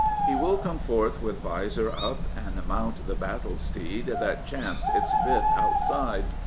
He will come forth with vizor up and mount the battle steed that champs its bit outside.